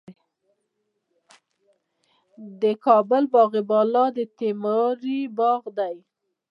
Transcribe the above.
د کابل باغ بالا د تیموري باغ دی